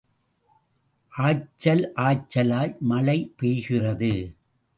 ஆய்ச்சல் ஆய்ச்சலாய் மழை பெய்கிறது.